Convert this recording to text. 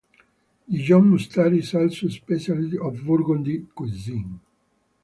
Dijon mustard is also a specialty of Burgundy cuisine.